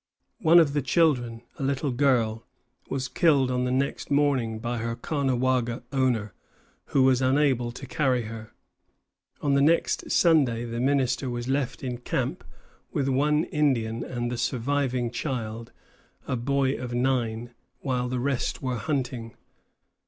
One of the children a little girl was killed on the next morning by her Caughnawaga owner, who was unable to carry her. On the next Sunday the minister was left in camp with one Indian and the surviving child, a boy of nine, while the rest of the party were hunting.